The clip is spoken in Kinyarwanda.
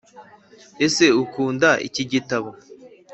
ese ukunda ikigitabo?